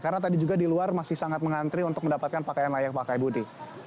karena tadi juga di luar masih sangat mengantri untuk mendapatkan pakaian layak pakai budi